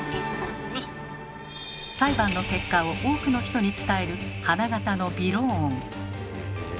裁判の結果を多くの人に伝える花形の「びろーん」。